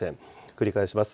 繰り返します。